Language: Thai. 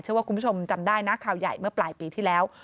ว่าคุณผู้ชมจำได้นะข่าวใหญ่เมื่อปลายปีที่แล้ว